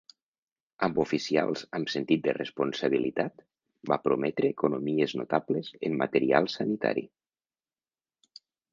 Amb oficials amb sentit de responsabilitat, va prometre economies notables en material sanitari.